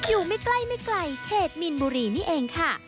อยู่ไม่ใกล้ไม่ไกลเขตมีนบุรีนี่เองค่ะ